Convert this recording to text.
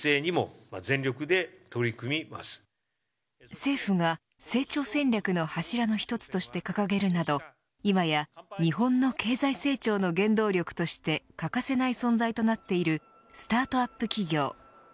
政府が成長戦略の柱の一つとして掲げるなど今や日本の経済成長の原動力として欠かせない存在となっているスタートアップ企業。